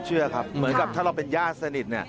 เชื่อครับเหมือนกับถ้าเราเป็นญาติสนิท